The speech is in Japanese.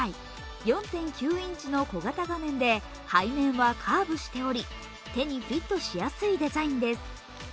４．９インチの小型画面で背面はカーブしており、手にフィットしやすいデザインです。